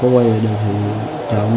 để ngày mai gửi lên cho trường